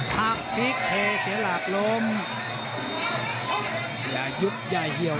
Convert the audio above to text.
ต้องออกครับอาวุธต้องขยันด้วย